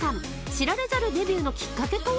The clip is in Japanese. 知られざるデビューのきっかけとは？